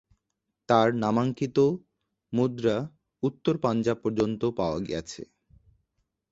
তার নামাঙ্কিত মুদ্রা উত্তর পাঞ্জাব পর্যন্ত পাওয়া গেছে।